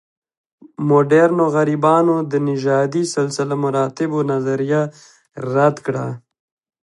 مډرنو غربیانو د نژادي سلسله مراتبو نظریه رد کړه.